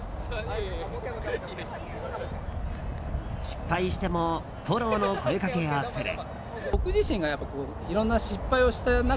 失敗してもフォローの声かけをする。